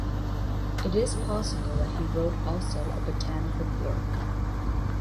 It is possible that he wrote also a botanical work.